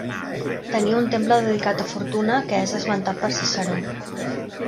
Tenia un temple dedicat a Fortuna que és esmentat per Ciceró.